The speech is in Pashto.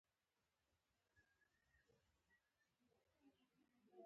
ایران ته د امان الله خان سفر د دواړو هېوادونو دوستۍ ټینګېدو لامل شو.